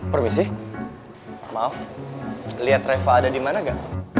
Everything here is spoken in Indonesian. permisi maaf liat reva ada dimana ga